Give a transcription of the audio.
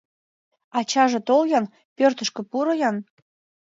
Ачаже, тол-ян, пӧртышкӧ пуро-ян.